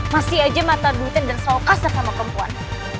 masih aja mata duitnya dan selalu kasar sama perempuan